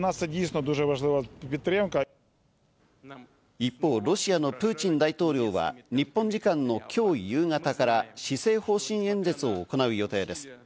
一方、ロシアのプーチン大統領は日本時間の今日夕方から施政方針演説を行う予定です。